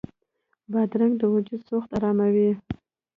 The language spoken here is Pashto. بادرنګ د وجود سوخت اراموي.